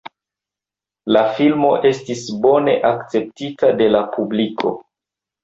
La filmo estis bone akceptita de la publiko.